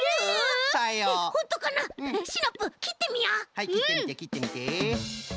はいきってみてきってみて。